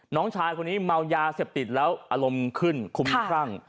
น้องชายคนนี้เมายาเสพติดแล้วอารมณ์ขึ้นคุ้มครั่ง